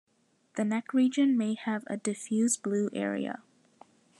The neck region may have a diffuse blue area.